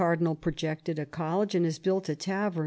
dinal projected a college and has built a tavem."